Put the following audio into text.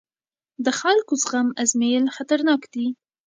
د خلکو زغم ازمېیل خطرناک دی